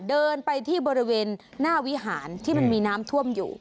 เดินไปที่บริเวณหน้าวิหารที่มันมีน้ำท่วมอยู่